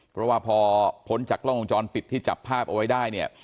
เพราะว่าพอพ้นจากกล้องวงจรปิดที่จับภาพเอาไว้ได้เนี่ย